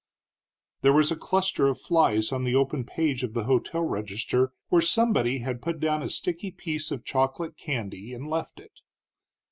There was a cluster of flies on the open page of the hotel register, where somebody had put down a sticky piece of chocolate candy and left it.